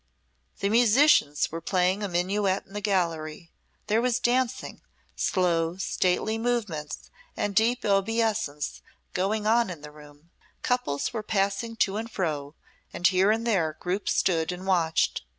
The musicians were playing a minuet in the gallery, there was dancing, slow, stately movements and deep obeisance going on in the room, couples were passing to and fro, and here and there groups stood and watched.